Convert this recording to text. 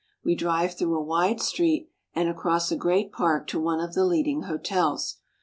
We drive through a wide street and across a great park to one of the leading hotels.